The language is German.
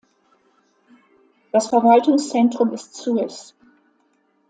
Das Verwaltungszentrum ist Sues.